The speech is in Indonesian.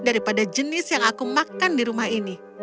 daripada jenis yang aku makan di rumah ini